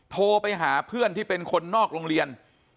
โทรไปหาเพื่อนที่เป็นคนนอกโรงเรียน